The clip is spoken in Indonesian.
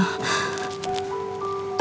nah ada apa sih